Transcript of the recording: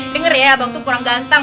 dengar ya abang tuh kurang ganteng